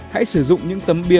hãy sử dụng những tấm bia